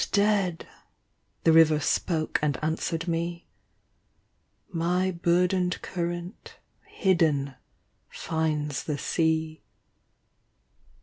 Not dead;'' the river spoke and answered me, " My burdened current, hidden, finds the sea."